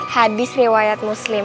hadis riwayat muslim